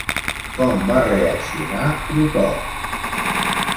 Com va reaccionar Crotop?